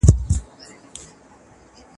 شپې مي په وعدو چي غولولې اوس یې نه لرم